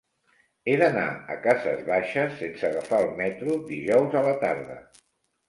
He d'anar a Cases Baixes sense agafar el metro dijous a la tarda.